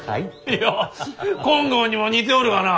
いや金剛にも似ておるがな。